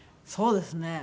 そうですね